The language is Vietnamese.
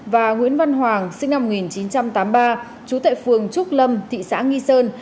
và nguyễn văn hoàng sinh năm một nghìn chín trăm tám mươi ba trú tại phường trúc lâm thị xã nghi sơn